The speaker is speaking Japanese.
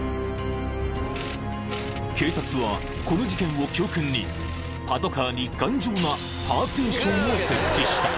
［警察はこの事件を教訓にパトカーに頑丈なパーティションを設置した］